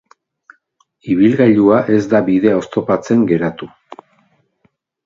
Ibilgailua ez da bidea oztopatzen geratu.